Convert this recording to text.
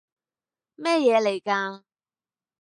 乜嘢嚟㗎？